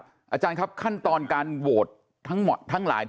อกองด่าอาจารย์ครับขั้นตอนการโหวตทั้งหมดทั้งหลาย